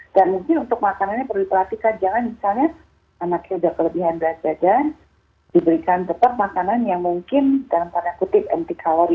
dan mungkin untuk makanannya perlu diperhatikan jangan misalnya anaknya sudah kelebihan berat badan diberikan tetap makanan yang mungkin dalam tanda kutip anti kalori